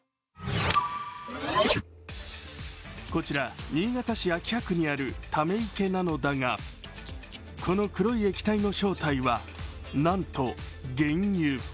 こちら新潟市秋葉区にあるため池なのだがこの黒い液体の正体はなんと、原油。